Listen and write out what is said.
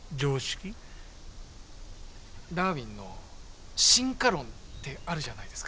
ダーウィンの進化論ってあるじゃないですか。